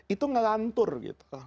itu ngelantur gitu